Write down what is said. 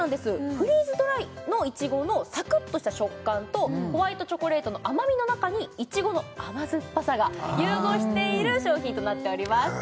フリーズドライのいちごのサクッとした食感とホワイトチョコレートの甘みの中にいちごの甘酸っぱさが融合している商品となっております